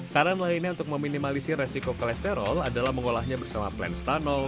saran lainnya untuk meminimalisi resiko kolesterol adalah mengolahnya bersama plan stanol